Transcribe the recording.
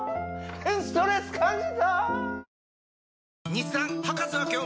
ストレス感じたぁ。